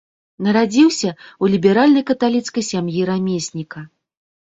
Нарадзіўся ў ліберальнай каталіцкай сям'і рамесніка.